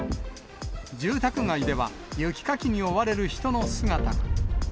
住宅街では雪かきに追われる人の姿が。